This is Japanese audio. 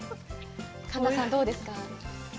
神田さん、どうですか。